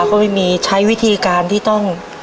ก็ไม่มีใช้วิธีการที่ต้อง